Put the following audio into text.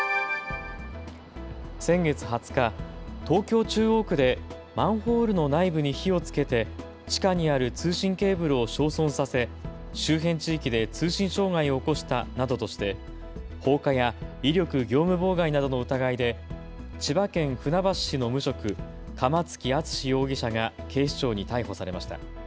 先月２０日、東京中央区でマンホールの内部に火をつけて地下にある通信ケーブルを焼損させ周辺地域で通信障害を起こしたなどとして放火や威力業務妨害などの疑いで千葉県船橋市の無職、釜付敦史容疑者が警視庁に逮捕されました。